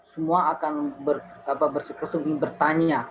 semua akan berkesungguh bertanya